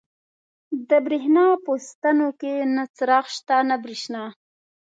د برېښنا په ستنو کې نه څراغ شته، نه برېښنا.